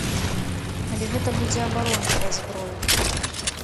Але гэта будзе абарончая зброя.